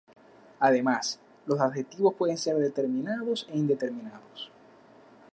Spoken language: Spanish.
Además, los adjetivos pueden ser determinados e indeterminados.